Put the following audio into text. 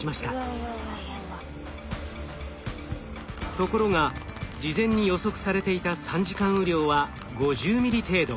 ところが事前に予測されていた３時間雨量は５０ミリ程度。